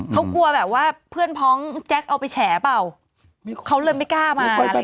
เขากลัวแบบว่าเพื่อนพ้องแจ๊คเอาไปแฉ่เปล่าเขาเริ่มไม่กล้ามาอะไรอย่างนี้